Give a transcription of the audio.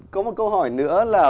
có một câu hỏi nữa là